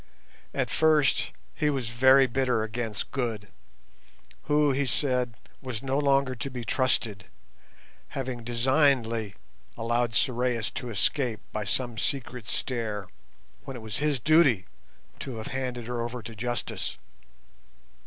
At first he was very bitter against Good, who, he said, was no longer to be trusted, having designedly allowed Sorais to escape by some secret stair when it was his duty to have handed her over to justice.